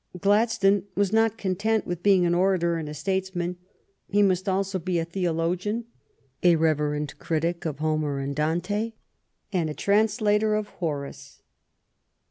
Gladstone was not content with being an orator and a statesman, he must also be a theologian, a reverent critic of Homer and Dante, and a translator of Horace.